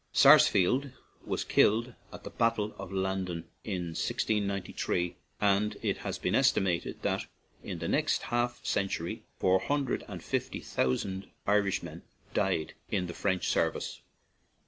Sarsfield was killed at the battle of Landen (1693), and it has been estimated that in the next half century four hundred and fifty thousand Irish men died in the French service.